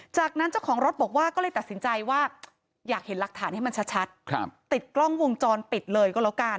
จากนั้นเจ้าของรถบอกว่าก็เลยตัดสินใจว่าอยากเห็นหลักฐานให้มันชัดติดกล้องวงจรปิดเลยก็แล้วกัน